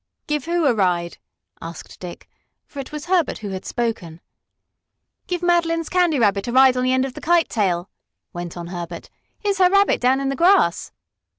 "Give who a ride?" asked Dick, for it was Herbert who had spoken. "Give Madeline's Candy Rabbit a ride on the end of the kite tail," went on Herbert. "Here's her Rabbit down in the grass."